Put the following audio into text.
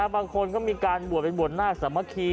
บางคนก็มีการเป็นบวชเป็นบวชน่าสะมบากรี